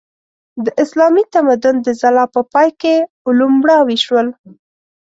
د اسلامي تمدن د ځلا په پای کې علوم مړاوي شول.